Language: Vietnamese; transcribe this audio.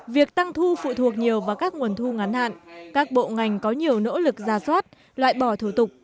việc tăng thu phụ thuộc nhiều vào các nguồn thu ngắn hạn các bộ ngành có nhiều nỗ lực ra soát loại bỏ thủ tục